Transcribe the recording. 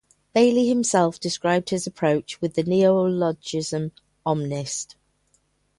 Bailey himself described his approach with the neologism "omnist".